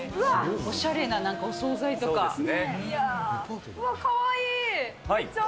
おしゃれな、なんかお総菜とかわいいー！